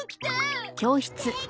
あっ